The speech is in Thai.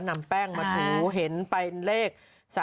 นำแป้งมาถูเห็นไปเลข